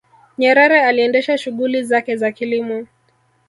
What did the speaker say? nyerere aliendesha shughuli zake za kilimo